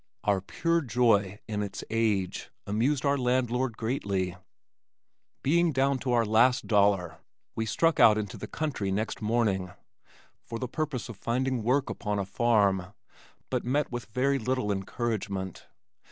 Our pure joy in its age amused our landlord greatly. Being down to our last dollar, we struck out into the country next morning, for the purpose of finding work upon a farm but met with very little encouragement.